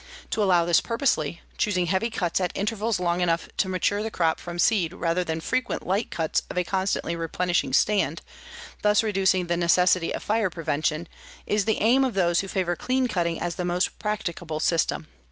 To allow this purposely, choosing heavy cuts at intervals long enough to mature the crop from seed rather than frequent light cuts of a constantly replenishing stand, thus reducing the necessity of fire prevention, is the aim of those who favor clean cutting as the most practicable system.